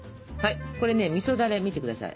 これねみそだれ見て下さい。